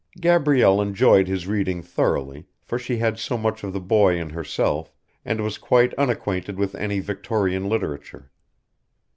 Gabrielle enjoyed his reading thoroughly, for she had so much of the boy in herself, and was quite unacquainted with any Victorian literature.